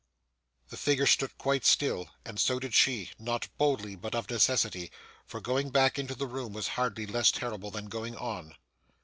The figure stood quite still, and so did she; not boldly, but of necessity; for going back into the room was hardly less terrible than going on.